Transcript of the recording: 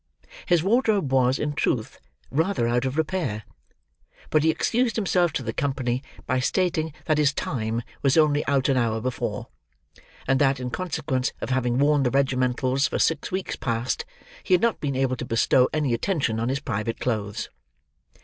His wardrobe was, in truth, rather out of repair; but he excused himself to the company by stating that his "time" was only out an hour before; and that, in consequence of having worn the regimentals for six weeks past, he had not been able to bestow any attention on his private clothes.